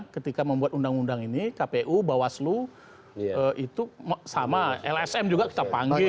ketika membuat undang undang ini kpu bawaslu itu sama lsm juga kita panggil